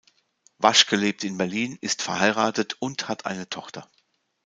Waschke lebt in Berlin, ist verheiratet und hat eine Tochter.